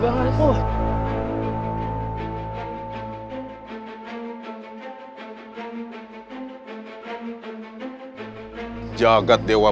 sekarang kamu adalah gcje trevor